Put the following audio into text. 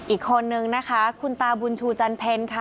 อีกคนนึงนะคะคุณตาบุญชูจันเพ็ญค่ะ